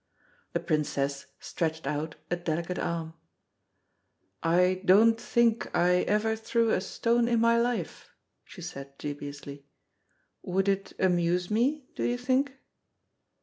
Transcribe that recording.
The Princess stretched out a delicate arm. "I don't think I ever threw a stone in my life," she said dubiously. "Would it amuse me, do you think?"